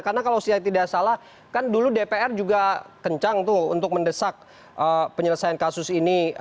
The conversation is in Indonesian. karena kalau saya tidak salah kan dulu dpr juga kencang untuk mendesak penyelesaian kasus ini